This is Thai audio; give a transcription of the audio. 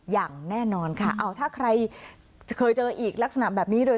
อย่างแน่นอนค่ะเอาถ้าใครเคยเจออีกลักษณะแบบนี้โดย